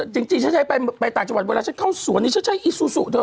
จริงฉันใช้ไปต่างจังหวัดเวลาฉันเข้าสวนนี้ฉันใช้อีซูซูเธอ